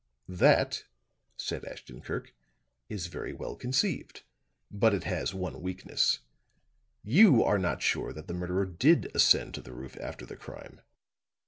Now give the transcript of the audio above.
"That," said Ashton Kirk, "is very well conceived. But it has one weakness. You are not sure that the murderer did ascend to the roof after the crime.